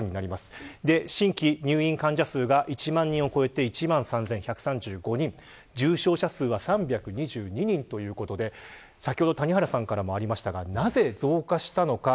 新規入院患者数が１万人を超えて１万３１３５人重症者数は３２２人ということで先ほど谷原さんからもありましたがなぜ増加したのか。